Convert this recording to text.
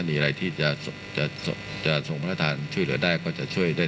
ทรงมีลายพระราชกระแสรับสู่ภาคใต้